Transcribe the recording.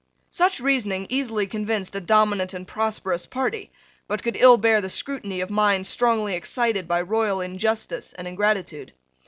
Such reasoning easily convinced a dominant and prosperous party, but could ill bear the scrutiny of minds strongly excited by royal injustice and ingratitude.